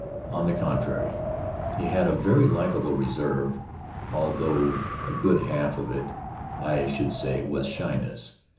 On the contrary, he had a very likable reserve, although a good half of it, I should say, was shyness.